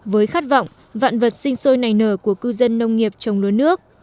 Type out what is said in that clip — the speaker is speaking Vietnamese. với khát vọng vạn vật sinh sôi nảy nở của cư dân nông nghiệp trồng lúa nước